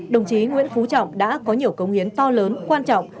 đồng chí nguyễn phú trọng đã có nhiều công hiến to lớn quan trọng